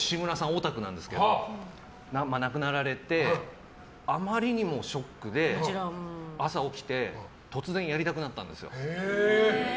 オタクなんですけど亡くなられてあまりにもショックで、朝起きて突然やりたくなったんですよ。